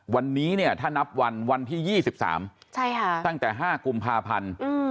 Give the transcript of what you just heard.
วันนี้เนี่ยถ้านับวันวันที่๒๓ตั้งแต่๕กุมภาพันธ์